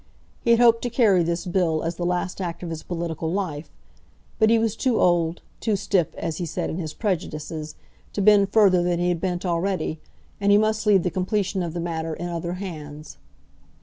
He had hoped to carry this bill as the last act of his political life; but he was too old, too stiff, as he said, in his prejudices, to bend further than he had bent already, and he must leave the completion of the matter in other hands.